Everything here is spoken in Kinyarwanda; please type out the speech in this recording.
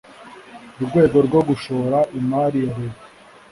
rwego rwo gushora imari ya leta